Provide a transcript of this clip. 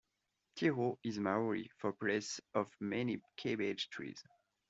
Tirau is Maori for place of many cabbage trees.